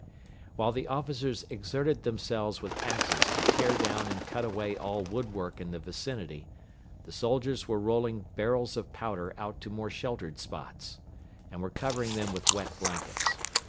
While the officers exerted themselves with axes to tear down and cut away all the wood work in the vicinity, the soldiers were rolling barrels of powder out to more sheltered spots, and were covering them with wet blankets.